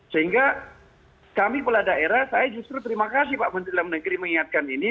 sehingga kami kepala daerah saya justru terima kasih pak menteri dalam negeri mengingatkan ini